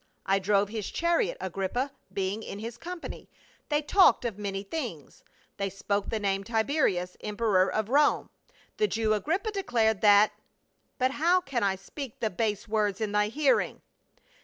I drove his chariot, Agrippa being in his company. They talked of many things. They spoke the name Tiberius, emperor of Rome. The Jew Agrippa declared that — but how can I speak the base words in thy hearing?"